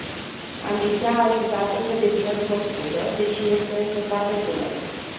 Ambiția a ajutat o să devină cunoscută, deși este încă foarte tânără.